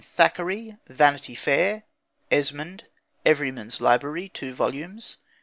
THACKERAY, Vanity Fair, Esmond: Everyman's Library (2 vols.)